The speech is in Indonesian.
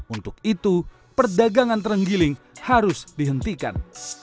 untuk itu perdagangan terenggiling harus dihentikan